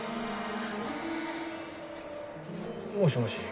もしもし？